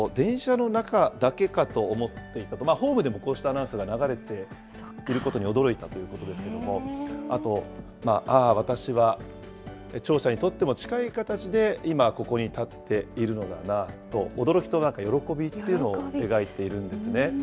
電車の中だけかと思っていたと、ホームでもこうしたアナウンスが流れていることに驚いたということなんですけども、あと、ああ、私は、聴者に近い形で今ここに立っているのだなと、驚きと喜びというのを描いているんですね。